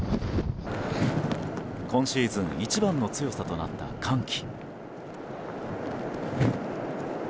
今シーズン一番の強さとなった寒気。